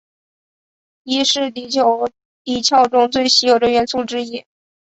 铱是地球地壳中最稀有的元素之一。